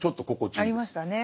ありましたね。